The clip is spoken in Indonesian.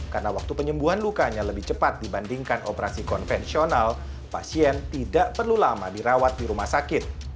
karena waktu penyembuhan lukanya lebih cepat dibandingkan operasi konvensional pasien tidak perlu lama dirawat di rumah sakit